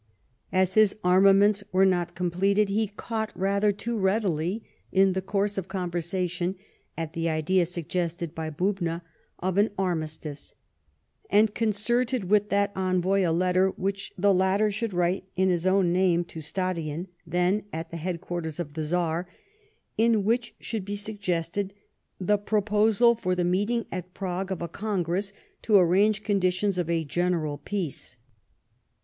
As his armaments were not completed, he caught rather too readily, in the course of conversation, at the idea, suggested by Bubna, of an armistice, and concerted with that envoy a letter which the latter should write in his own name to Stadion, then at the headquarters of the Czar, in which should be suggested the proposal for the meeting at IVague of a congress to arrange conditions of a general peace.